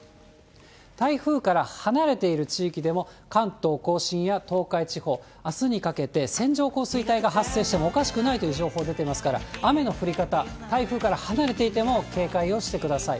台風から離れている地域でも、関東甲信や東海地方、あすにかけて線状降水帯が発生してもおかしくないという情報出ていますから、雨の降り方、台風から離れていても警戒をしてください。